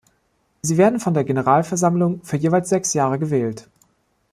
Sie werden von der Generalversammlung für jeweils sechs Jahre gewählt.